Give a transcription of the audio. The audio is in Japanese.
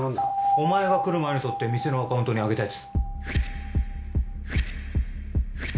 お前が来る前に撮って店のアカウントに上げたやつ。